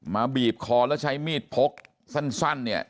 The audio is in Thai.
บีบคอแล้วใช้มีดพกสั้นเนี่ย